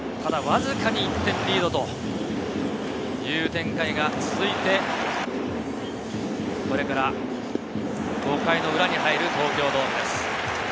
ただ、わずかに１点リードという展開が続いて、これから５回の裏に入る東京ドームです。